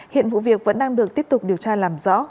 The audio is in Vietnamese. hiện vụ việc vẫn đang được tiếp tục điều tra làm rõ